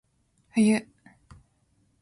冬